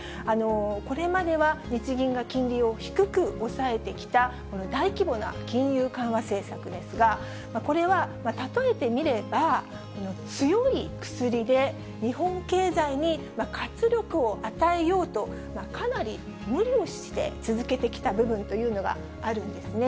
これまでは、日銀が金利を低く抑えてきた大規模な金融緩和政策ですが、これは例えてみれば、強い薬で、日本経済に活力を与えようと、かなり無理をして続けてきた部分というのがあるんですね。